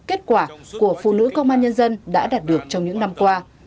kết quả của phụ nữ công an nhân dân đã đạt được trong những năm qua